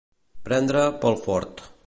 Prendre pel fort.